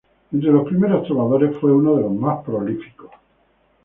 Entre los primeros trovadores, fue uno de los más prolíficos.